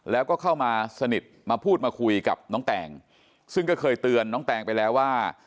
แล้วก็เข้ามาสนิทมาพูดมาคุยกับน้องแตงซึ่งก็เคยเตือนน้องแตงไปแล้วว่า